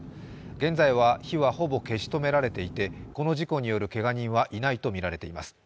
現在は火はほぼ消し止められていてこの事故によるけが人はいないとみられています。